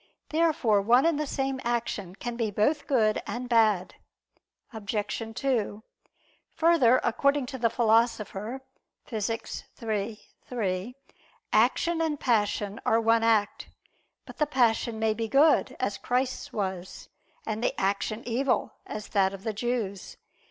Therefore one and the same action can be both good and bad. Obj. 2: Further, according to the Philosopher (Phys. iii, 3), action and passion are one act. But the passion may be good, as Christ's was; and the action evil, as that of the Jews.